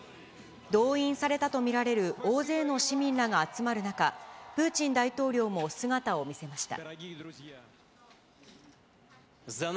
動員されたと見られる大勢の市民らが集まる中、プーチン大統領も姿を見せました。